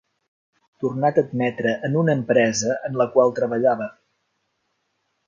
Tornat a admetre en una empresa en la qual treballava.